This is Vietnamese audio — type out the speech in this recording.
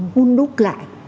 hôn đúc lại